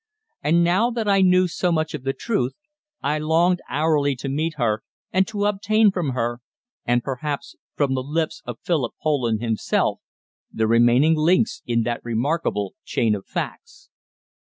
And now that I knew so much of the truth I longed hourly to meet her, and to obtain from her and perhaps from the lips of Philip Poland himself the remaining links in that remarkable chain of facts.